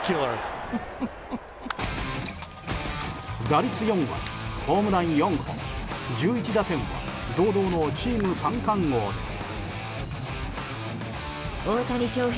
打率４割ホームラン４本、１１打点は堂々のチーム三冠王です。